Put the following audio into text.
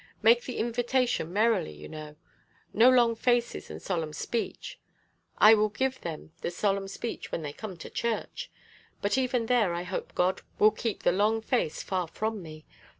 Make the invitation merrily, you know. No long faces and solemn speech. I will give them the solemn speech when they come to church. But even there I hope God will keep the long face far from me.